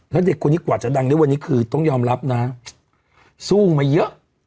แล้วเด็กคนนี้กว่าจะดังได้วันนี้คือต้องยอมรับนะสู้มาเยอะ